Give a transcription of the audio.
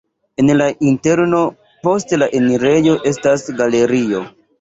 En la interno post la enirejo estas galerio.